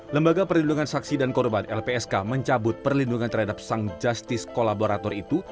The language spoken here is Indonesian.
lembaga perlindungan saksi dan korban lpsk mencabut perlindungan terhadap sang justice kolaborator itu